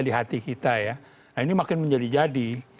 di hati kita ya nah ini makin menjadi jadi